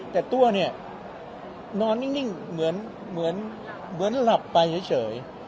แต่ตัวเนี่ยนอนนิ่งเหมือนเหมือนเหมือนหลับไปเฉยเฉย